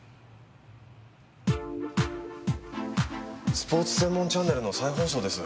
スポーツ専門チャンネルの再放送です。